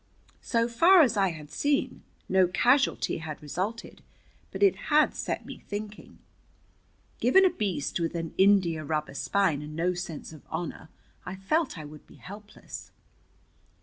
So far as I had seen, no casualty had resulted, but it had set me thinking. Given a beast with an India rubber spine and no sense of honor, I felt I would be helpless.